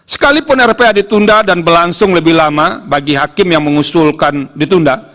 sekalipun rph ditunda dan berlangsung lebih lama bagi hakim yang mengusulkan ditunda